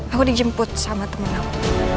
aku dijemput sama temen aku